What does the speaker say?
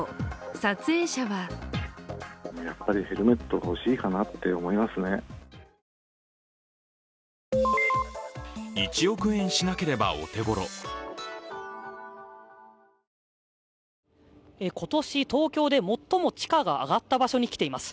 撮影者は今年、東京で最も地価が上がった場所に来ています。